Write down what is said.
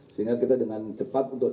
sehingga kita dengan cepat untuk